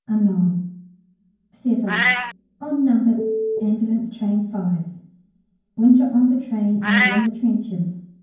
Anon. VII. On No. Ambulance Train (5). WINTER ON THE TRAIN AND IN THE TRENCHES.